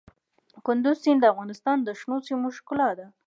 کندز سیند د افغانستان د شنو سیمو ښکلا ده.